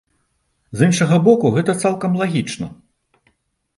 З іншага боку, гэта цалкам лагічна.